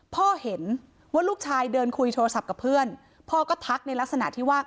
พ่อเห็นว่าลูกชายเดินคุยโทรศัพท์กับเพื่อนพ่อก็ทักในลักษณะที่ว่า